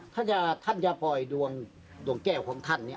ถ้าท่านจะปล่อยดวงแก้วของท่าน